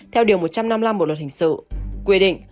theo điều một trăm năm mươi năm bộ luật hình sự quy định